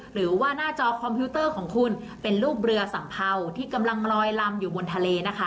หรือว่าหน้าจอคอมพิวเตอร์ของคุณเป็นรูปเรือสัมเภาที่กำลังลอยลำอยู่บนทะเลนะคะ